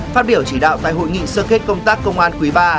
phát biểu chỉ đạo tại hội nghị sơ kết công tác công an quý ba